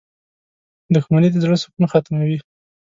• دښمني د زړۀ سکون ختموي.